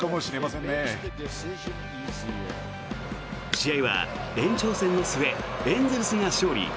試合は延長戦の末エンゼルスが勝利。